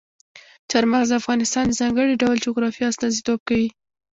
چار مغز د افغانستان د ځانګړي ډول جغرافیه استازیتوب کوي.